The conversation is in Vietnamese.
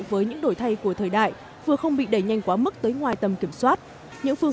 với những đổi thay của thời đại vừa không bị đẩy nhanh quá mức tới ngoài tầm kiểm soát những phương